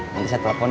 nanti saya telepon ya